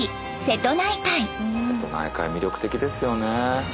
瀬戸内海魅力的ですよね。